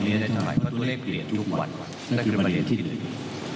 นั่นคือประเด็นที่หนึ่ง